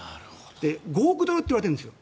５億ドルといわれてるんです。